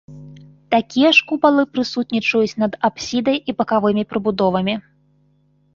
Такія ж купалы прысутнічаюць над апсідай і бакавымі прыбудовамі.